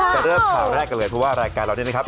จะเริ่มข่าวแรกกันเลยเพราะว่ารายการเราเนี่ยนะครับ